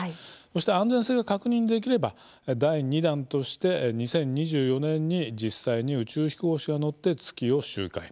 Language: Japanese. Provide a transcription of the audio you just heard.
そして、安全性が確認できれば第２弾として２０２４年に実際に宇宙飛行士が乗って月を周回。